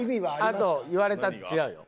あと言われたって違うよ。